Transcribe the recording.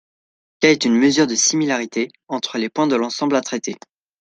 K est une mesure de similarité entre les points de l'ensemble à traiter.